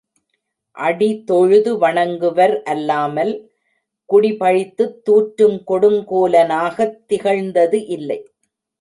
அடி தொழுது வணங்குவர் அல்லாமல், குடி பழித்துத் தூற்றுங் கொடுங்கோலனாகத் திகழ்ந்தது இல்லை.